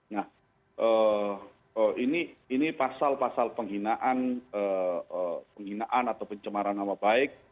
nah ini pasal pasal penghinaan atau pencemaran nama baik